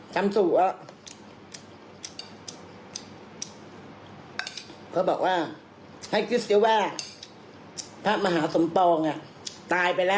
ทำสู่อ่ะเขาบอกว่าให้คิดซิว่าพระมหาสมปองอ่ะตายไปแล้ว